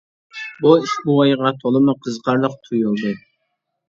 بۇ ئىش بوۋايغا تولىمۇ قىزىقارلىق تۇيۇلدى.